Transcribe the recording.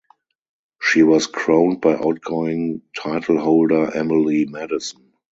She was crowned by outgoing titleholder Emily Maddison.